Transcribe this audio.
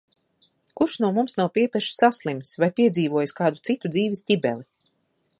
Kurš no mums nav piepeši saslimis vai piedzīvojis kādu citu dzīves ķibeli.